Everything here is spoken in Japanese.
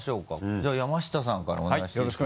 じゃあ山下さんからお願いしていいですか？